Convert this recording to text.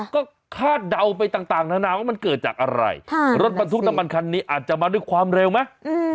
ก็คาดเดาไปต่างนานาว่ามันเกิดจากอะไรรถบรรทุกน้ำมันคันนี้อาจจะมาด้วยความเร็วไหม